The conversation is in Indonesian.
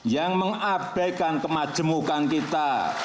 yang mengabaikan kemajemukan kita